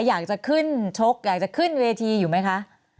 อยากจะขึ้นชกอยากจะขึ้นเวทีอยู่ไหมคะ